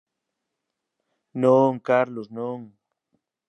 Non, Carlos, non.